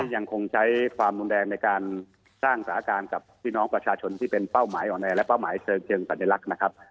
ยังคงใช้ความรุนแรงในการสร้างสถานการณ์กับพี่น้องประชาชนที่เป็นเป้าหมายอ่อนแอและเป้าหมายเชิงสัญลักษณ์นะครับ